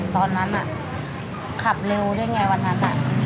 ตอนนั้นน่ะขับเร็วได้อย่างไรวันนั้น